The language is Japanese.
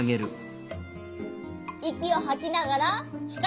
いきをはきながらちからをぬこう。